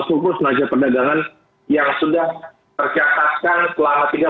suku senaja perdagangan yang sudah tercatatkan